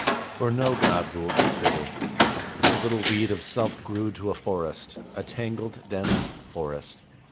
For no God ruled the city. The little weed of self grew to a forest, a tangled, dense forest.